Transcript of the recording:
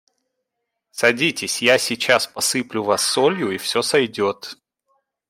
Садитесь, я сейчас посыплю Вас солью и все сойдет.